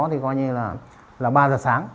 thì gọi như là ba giờ sáng